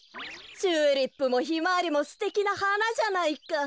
チューリップもヒマワリもすてきなはなじゃないか。